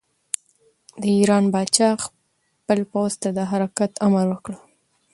د ایران پاچا خپل پوځ ته د حرکت امر ورکړ.